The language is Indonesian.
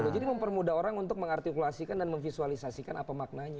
jadi mempermudah orang untuk mengartikulasikan dan memvisualisasikan apa maknanya